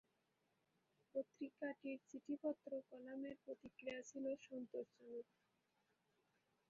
পত্রিকাটির চিঠিপত্র কলামের প্রতিক্রিয়া ছিল সন্তোষজনক।